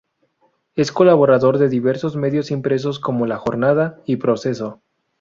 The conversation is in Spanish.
Es colaborador de diversos medios impresos como "La Jornada" y "Proceso".